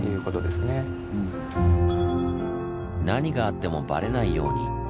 何があってもばれないように。